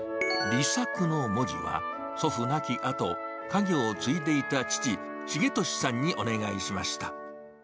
利さくの文字は、祖父亡きあと、家業を継いでいた父、重利さんにお願いしました。